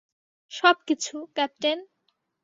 সবকিছু, ক্যাপ্টেন।